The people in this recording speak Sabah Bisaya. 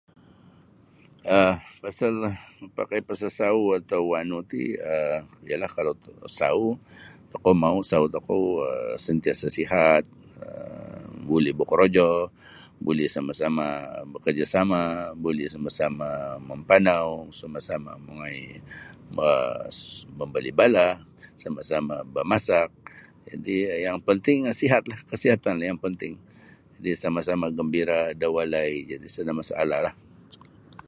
um Pasal mapakai pasal sauh atau wanu ti um ialah kalau sauh tokou mau sauh tokou um sentiasa sihat um buli bokorojo um buli sama-sama bakarja sama buli sama-sama mampanau sama-sama mongoi ma-mambali belah sama-sama bamasak jadi um yang penting sihat lah kesihatan lah yang penting jadi sama-sama gembira da walai jadi sada masalahlah.